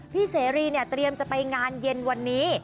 เสรีเนี่ยเตรียมจะไปงานเย็นวันนี้